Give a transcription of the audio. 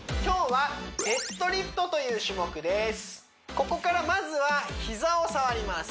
ここからまずは膝を触ります